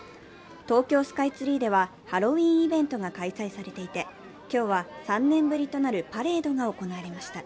東京スカイツリーでは、ハロウィーンイベントが開催されていて、今日は３年ぶりとなるパレードが行われました。